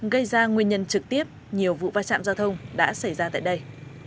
gây ra nguyên nhân trực tiếp nhiều vụ va chạm giao thông đã xảy ra tại đây